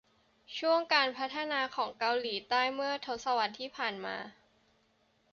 ช่วงการพัฒนาของเกาหลีใต้เมื่อทศวรรษที่ผ่านมา